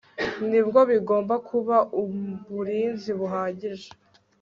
Nibyo bigomba kuba uburinzi buhagije